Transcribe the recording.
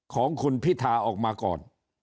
ของคุณพิธาออกมาก่อน